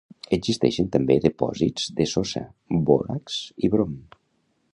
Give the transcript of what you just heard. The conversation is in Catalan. Existeixen també depòsits de sosa, bòrax i brom.